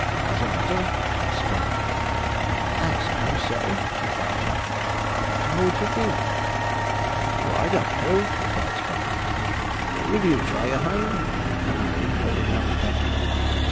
'As a letter?' asked Sponge. 'I 'spose so,' replied Jack; 'how would you think?' 'Oh, I don't know,' replied Sponge. 'Will you try your hand?' added he, holding out the pen.